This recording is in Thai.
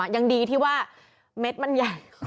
ยังดีที่ว่าเม็ดมันใหญ่